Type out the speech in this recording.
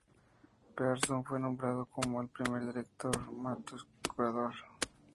Pearson fue nombrado como el primer director, y J. W. Matthews curador.